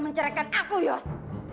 yos jangan pergi yos